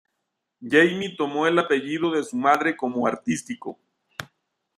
Jamie tomó el apellido de su madre como artístico.